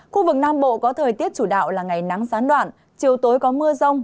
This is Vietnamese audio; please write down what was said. khu vực nam bộ có thời tiết chủ đạo là ngày nắng gián đoạn chiều tối có mưa rông